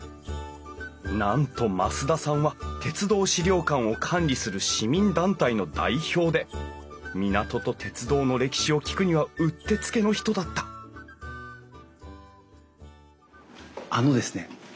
なんと増田さんは鉄道資料館を管理する市民団体の代表で「港と鉄道」の歴史を聞くにはうってつけの人だったあのですね